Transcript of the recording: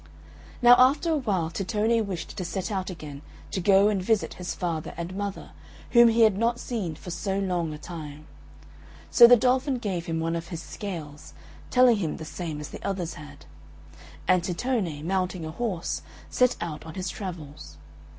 Now after a while Tittone wished to set out again to go and visit his father and mother, whom he had not seen for so long a time. So the Dolphin gave him one of his scales, telling him the same as the others had; and Tittone, mounting a horse, set out on his travels.